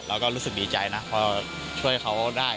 เราก็รู้สึกดีใจนะเพราะช่วยเขาได้